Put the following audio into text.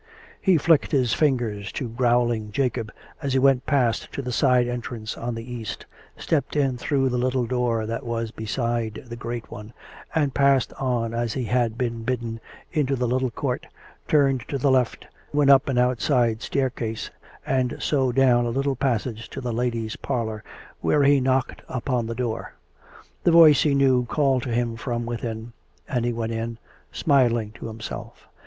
He flicked his fingers to growling Jacob as he went past to the side entrance on the east, stepped in through the little door that was beside the great one, and passed on as he had been bidden into the little court, turned to the left, went up an outside staircase, and so down a little passage to the ladies' parlour, where he knocked upon the door. The voice he knew called to him from within; and he went in, smiling to himself.